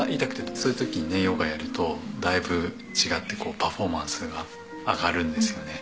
そういう時にヨガをやるとだいぶ違ってパフォーマンスが上がるんですよね。